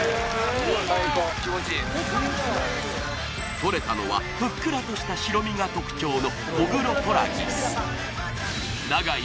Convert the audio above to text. とれたのはふっくらとした白身が特徴の永井